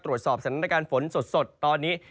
ตรวจสอบสถานการณ์ฝนสดตอนนี้